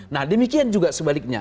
nah demikian juga sebaliknya